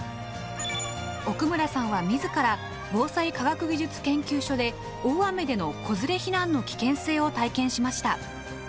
奥村さんは自ら防災科学技術研究所で大雨での子連れ避難の危険性を体験しました。